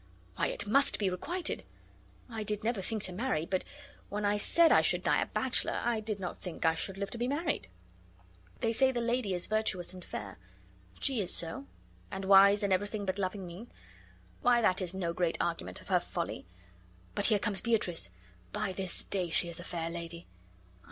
Why, it must be requited! I did never think to marry. But when I said I should die a bachelor, I did not think I should live to be married. They say the lady is virtuous and fair. She is so. And wise in everything but loving me. Why, that is no great argument of her folly! But here comes Beatrice. By this day, she is a fair lady.